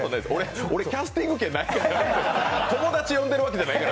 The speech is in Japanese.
俺キャスティング権ないから。